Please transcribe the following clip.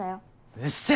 うっせぇ！